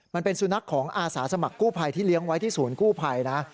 มันเป็นสุนัขของอาสาสมัครกู้ภัยที่เลี้ยงไว้ที่ศูนย์กู้ภัยนะ